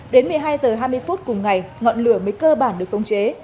đến một mươi hai h hai mươi phút cùng ngày ngọn lửa mới cơ bản được khống chế